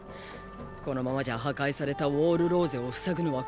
このままじゃ破壊されたウォール・ローゼを塞ぐのは困難だろう。